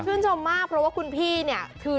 ชื่นชมมากเพราะว่าคุณพี่เนี่ยคือ